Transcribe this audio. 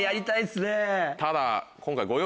ただ。